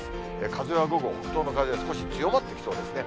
風は午後、北東の風が少し強まってきそうですね。